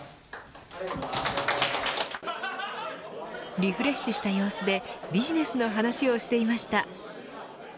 リフレッシュした様子でビジネスの話をしていました。